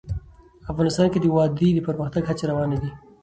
افغانستان کې د وادي د پرمختګ هڅې روانې دي.